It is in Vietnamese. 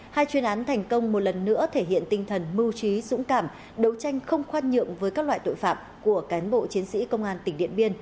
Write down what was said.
hai chuyên án thành công một lần nữa thể hiện tinh thần mưu trí dũng cảm đấu tranh không khoan nhượng với các loại tội phạm của cán bộ chiến sĩ công an tỉnh điện biên